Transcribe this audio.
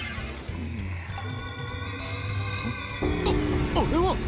あっあれは！